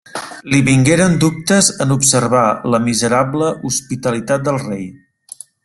Li vingueren dubtes en observar la miserable hospitalitat del rei.